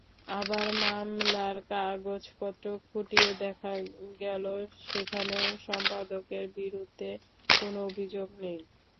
আবার মামলার কাগজপত্র খুঁটিয়ে দেখা গেল, সেখানেও সম্পাদকের বিরুদ্ধে কোনো অভিযোগ নেই।